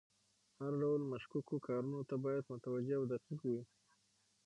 هر ډول مشکوکو کارونو ته باید متوجه او دقیق وي.